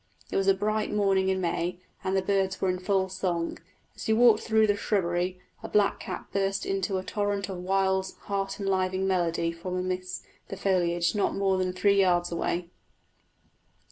It was a bright morning in May, and the birds were in full song. As we walked through the shrubbery a blackcap burst into a torrent of wild heart enlivening melody from amidst the foliage not more than three yards away.